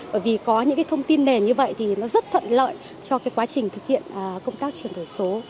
bởi vì có những cái thông tin nền như vậy thì nó rất thuận lợi cho cái quá trình thực hiện công tác chuyển đổi số